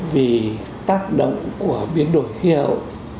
vì tác động của biến đổi khí hậu